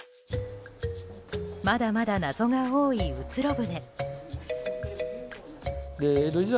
まだまだ謎が多いうつろ舟。